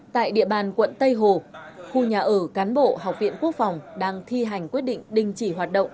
tại địa bàn quận tây hồ khu nhà ở cán bộ học viện quốc phòng đang thi hành quyết định đình chỉ hoạt động